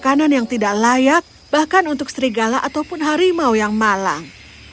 aku membuat badan yang tidak layak untuk serigala atau harimau yang malang